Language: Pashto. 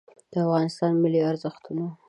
د افغانستان ملي ارزښتونه